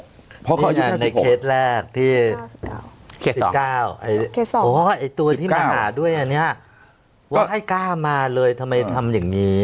ในเคสแรกที่๑๙ไอ้ตัวที่มาหาด้วยอันนี้ว่าให้กล้ามาเลยทำไมทำอย่างนี้